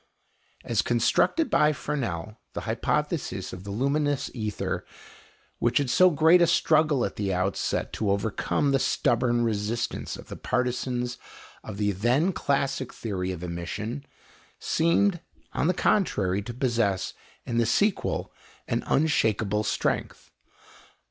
As constructed by Fresnel, the hypothesis of the luminous ether, which had so great a struggle at the outset to overcome the stubborn resistance of the partisans of the then classic theory of emission, seemed, on the contrary, to possess in the sequel an unshakable strength.